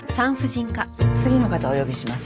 次の方お呼びします。